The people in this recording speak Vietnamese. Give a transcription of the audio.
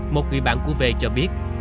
một người bạn của v cho biết